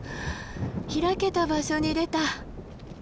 開けた場所に出た。